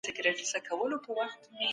ټولنه له افرادو جوړه ده.